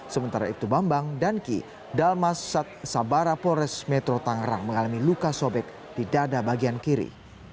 sementara itu bambang dan ki dalmas sat sabara polres metro tangerang mengalami luka sobek di dada bagian kiri